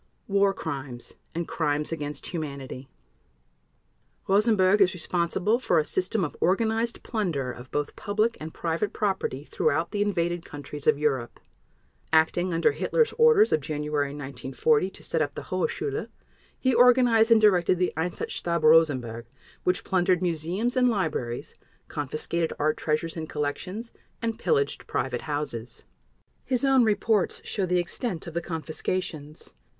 War Crimes and Crimes against Humanity Rosenberg is responsible for a system of organized plunder of both public and private property throughout the invaded countries of Europe. Acting under Hitler's orders of January 1940 to set up the "Hohe Schule", he organized and directed the "Einsatzstab Rosenberg", which plundered museums and libraries, confiscated art treasures and collections, and pillaged private houses. His own reports show the extent of the confiscations.